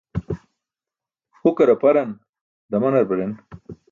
Hukar aparan, damanar baren.